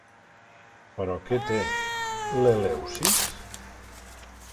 Però què té, l'Eleusis?